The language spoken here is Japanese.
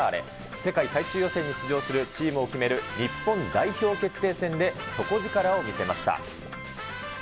世界最終予選に出場するチームを決める日本代表決定戦で底力を見せました。